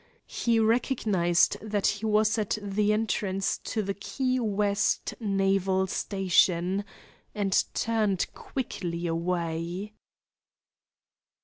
He recognized that he was at the entrance to the Key West naval station, and turned quickly away.